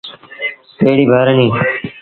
تيّڙيٚ ڀرڻيٚ۔